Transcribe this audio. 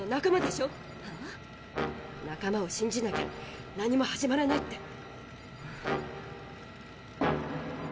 仲間を信じなきゃ何も始まらないって。